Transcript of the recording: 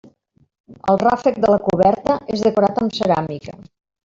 El ràfec de la coberta és decorat amb ceràmica.